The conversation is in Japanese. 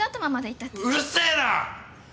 うるせえな！！